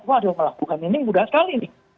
waduh melakukan ini mudah sekali nih